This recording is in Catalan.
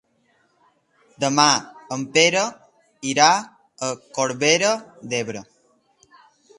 Demà en Pere irà a Corbera d'Ebre.